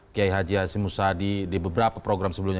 kiai haji hashim musadi di beberapa program sebelumnya